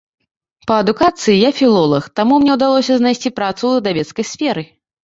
Па адукацыі я філолаг, таму мне ўдалося знайсці працу ў выдавецкай сферы.